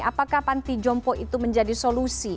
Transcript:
apakah panti jompo itu menjadi solusi